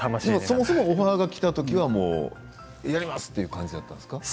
そもそもオファーが来たときはやりますという感じだったんですか？